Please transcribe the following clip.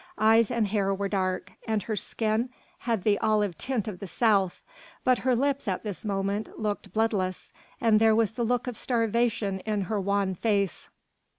Eyes and hair were dark, and her skin had the olive tint of the south, but her lips at this moment looked bloodless, and there was the look of starvation in her wan face.